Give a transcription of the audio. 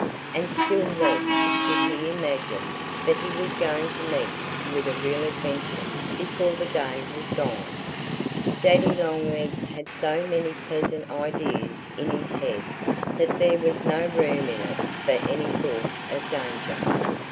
And still less did he imagine that he was going to meet with a real adventure before the day was done. Daddy Longlegs had so many pleasant ideas in his head that there was no room in it for any thought of danger.